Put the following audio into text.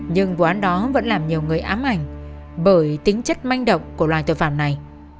nhưng vụ án đó vẫn làm nhiều người ám ảnh bởi tính chất manh động của loài tội phạm này